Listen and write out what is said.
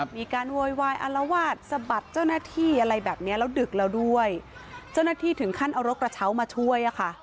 โวยวายอารวาสสะบัดเจ้าหน้าที่อะไรแบบเนี้ยแล้วดึกแล้วด้วยเจ้าหน้าที่ถึงขั้นเอารถกระเช้ามาช่วยอ่ะค่ะ